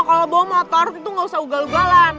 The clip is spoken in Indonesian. kalau bawa motor itu nggak usah ugal ugalan